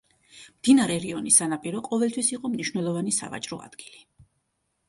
მდინარე დონის სანაპირო ყოველთვის იყო მნიშვნელოვანი სავაჭრო ადგილი.